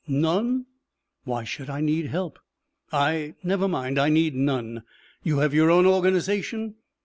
"None!" "Why should I need help? I never mind. I need none." "You have your own organization?"